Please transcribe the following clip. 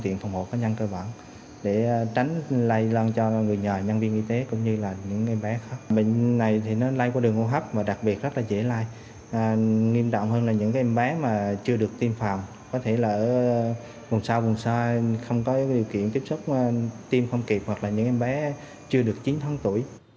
trước khi nhập viện bé cũng có dấu hiệu sốt tiêm không kịp hoặc là những em bé chưa được chín tháng tuổi